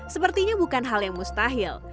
sepertinya bukan hal yang mustahil